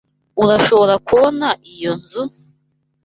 Urashobora kubona iyo nzu nto?